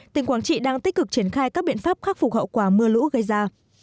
tỉnh quảng trị đang tích cực triển khai các biện pháp khắc phục hậu quả mưa lũ gây ra